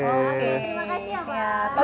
terima kasih ya pak